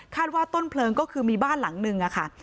ว่าต้นเพลิงก็คือมีบ้านหลังนึงค่ะ